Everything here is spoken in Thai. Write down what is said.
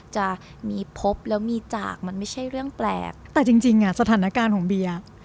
จะมีพบแล้วมีจากมันไม่ใช่เรื่องแปลกแต่จริงจริงอ่ะสถานการณ์ของเบียร์